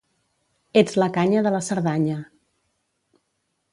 Ets la canya de la Cerdanya.